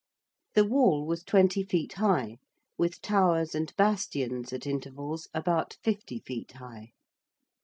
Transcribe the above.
The Wall was 20 feet high, with towers and bastions at intervals about 50 feet high.